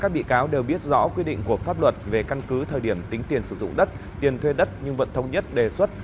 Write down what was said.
các bị cáo đều biết rõ quy định của pháp luật về căn cứ thời điểm tính tiền sử dụng đất tiền thuê đất nhưng vẫn thông nhất đề xuất